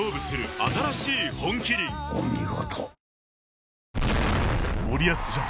お見事。